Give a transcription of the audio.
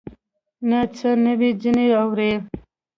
نه څه نوي ځینې اورې